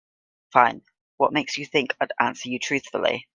Fine, what makes you think I'd answer you truthfully?